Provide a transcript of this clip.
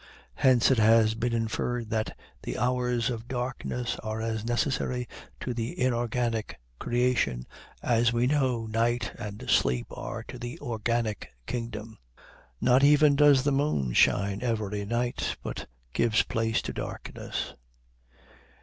Hence it has been inferred that "the hours of darkness are as necessary to the inorganic creation as we know night and sleep are to the organic kingdom." Not even does the moon shine every night, but gives place to darkness.